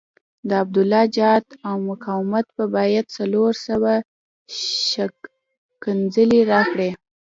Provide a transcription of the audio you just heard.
د عبدالله جهاد او مقاومت خو باید څلور سوه ښکنځلې راکړي.